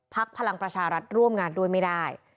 พลังประชารัฐร่วมงานด้วยไม่ได้